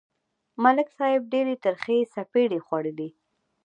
ملک صاحب ډېرې ترخې څپېړې خوړلې.